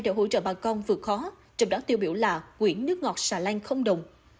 để hỗ trợ bà con vượt khó trong đó tiêu biểu là quỹ nước ngọt xà lan không đồng